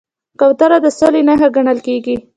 کوتره د سولې نښه ګڼل کېږي.